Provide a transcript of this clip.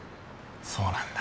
そうなんだ。